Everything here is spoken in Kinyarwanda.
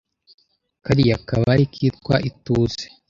kariya kabare kitwa ituze